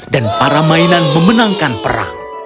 dan para mainan memenangkan perang